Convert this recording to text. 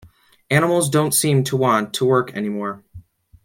Animals don’t seem to want to work any more.